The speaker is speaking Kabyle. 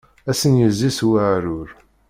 Ad sen-yezzi s uεrur.